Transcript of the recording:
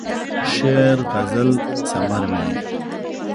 شعر، غزل ثمر مې یې